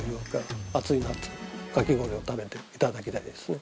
暑い夏かき氷を食べていただきたいですね。